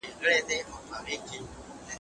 سوله د اوږدمهاله پرمختګ لامل ګرځي.